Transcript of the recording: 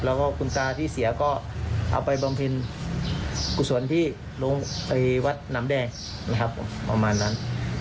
แล้วก็คุณตาที่เสียก็เอาไปบำเพ็ญกุศลที่วัดน้ำแดงนะครับผมประมาณนั้น